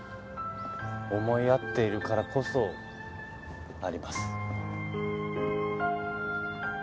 思い合っているからこそあります。